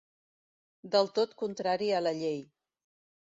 Del tot contrari a la llei.